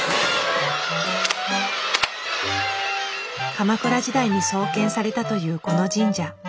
鎌倉時代に創建されたというこの神社。